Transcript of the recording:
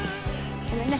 ごめんね。